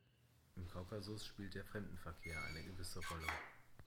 Im Kaukasus spielt der Fremdenverkehr eine gewisse Rolle.